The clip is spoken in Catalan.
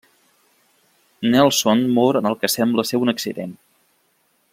Nelson mor en el que sembla ser un accident.